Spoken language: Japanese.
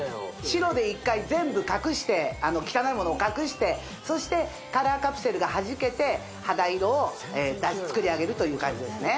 白で１回全部隠して汚いものを隠してそしてカラーカプセルがはじけて肌色を作り上げるという感じですね